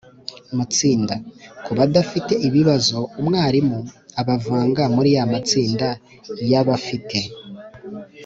matsinda. Ku badafite ibibazo, umwarimu abavanga muri ya matsinda y’abafite